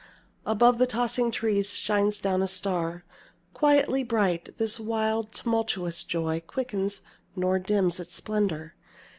Above the tossing trees shines down a star, Quietly bright; this wild, tumultuous joy Quickens nor dims its splendour.